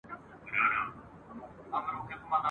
غړوي سترګي چي ویښ وي پر هر لوري ..